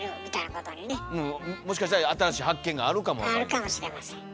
もしかしたら新しい発見があるかも分かりませんから。